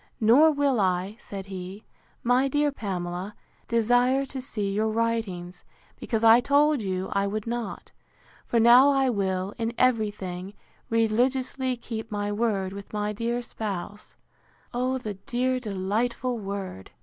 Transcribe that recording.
Nor will I, said he, my dear Pamela, desire to see your writings, because I told you I would not; for now I will, in every thing, religiously keep my word with my dear spouse: (O the dear delightful word!)